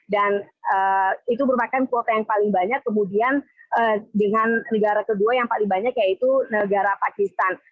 dan itu merupakan kuota yang paling banyak kemudian dengan negara kedua yang paling banyak yaitu negara pakistan